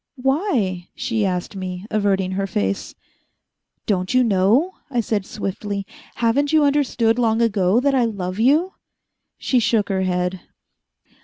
"Why?" she asked me, averting her face. "Don't you know?" I said swiftly. "Haven't you understood long ago that I love you?" She shook her head.